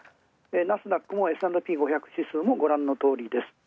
ナスダックもＳ＆Ｐ５００指数もごらんのとおりです。